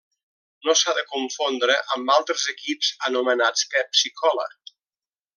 No s'ha de confondre amb altres equips anomenats Pepsi-Cola.